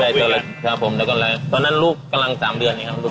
ที่เสียครับใช่ไหมครับใช่ไหมครับใช่ไหมครับใช่ไหมครับใช่ไหมครับใช่ไหมครับ